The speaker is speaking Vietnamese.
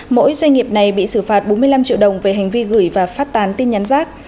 mỗi doanh nghiệp này bị xử phạt bốn mươi năm triệu đồng về hành vi gửi và phát tán tin nhắn rác